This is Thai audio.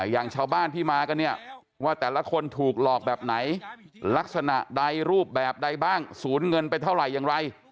อย่างชาวบ้านที่มากันเนี่ยว่าแต่ละคนถูกหลอกแบบไหนลักษณะใดรูปแบบใดบ้างสูญเงินไปเท่าไหร่อย่างไร